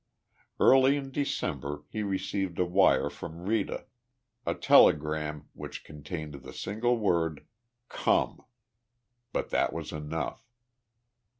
Early in December he received a wire from Rita a telegram which contained the single word, "Come" but that was enough.